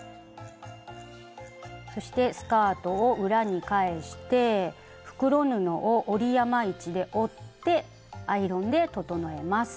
そしてスカートを裏に返して袋布を折り山位置で折ってアイロンで整えます。